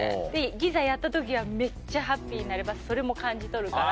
いざやった時はめっちゃハッピーになればそれも感じ取るから。